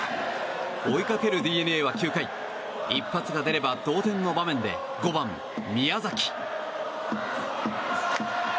追いかけるＤｅＮＡは９回一発が出れば同点の場面で５番、宮崎。